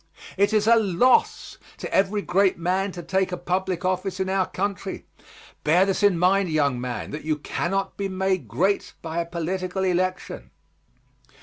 It is a loss to every great man to take a public office in our country. Bear this in mind, young man, that you cannot be made great by a political election.